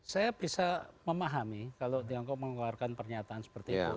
saya bisa memahami kalau tiongkok mengeluarkan pernyataan seperti itu